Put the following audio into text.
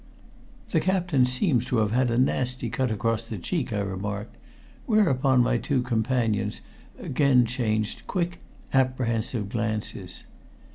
"The captain seems to have had a nasty cut across the cheek," I remarked, whereupon my two companions again exchanged quick, apprehensive glances.